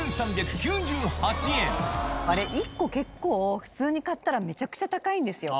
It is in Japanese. あれ、１個結構、普通に買ったら、めちゃくちゃ高いんですよ。